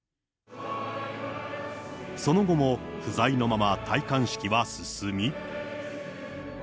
その後も、不在のまま戴冠式は進み。